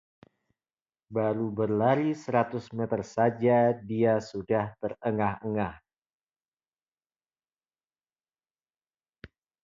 baru berlari seratus meter saja dia sudah terengah-engah